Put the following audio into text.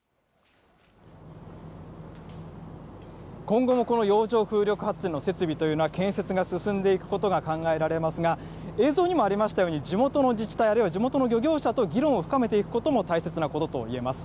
今後もこの洋上風力発電の設備というのは、建設が進んでいくことが考えられますが、映像にもありましたように、地元の自治体、あるいは地元の漁業者と議論を深めていくことも大切なことといえます。